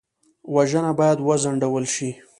وژنه باید وځنډول شي